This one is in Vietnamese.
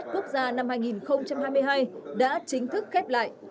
mùa giải bóng đá hạng nhất quốc gia năm hai nghìn hai mươi hai đã chính thức khép lại